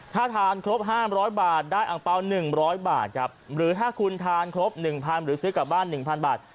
ถ้าทานครบ๕๐๐บาทได้อังเปล่า๑๐๐บาทครับหรือถ้าคุณทานครบ๑๐๐๐หรือซื้อกลับบ้าน๑๐๐บาท